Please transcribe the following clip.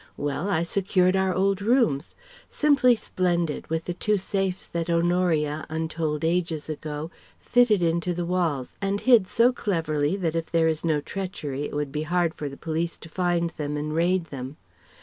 Well: I secured our old rooms! Simply splendid, with the two safes that Honoria, untold ages ago, fitted into the walls, and hid so cleverly that if there is no treachery it would be hard for the police to find them and raid them.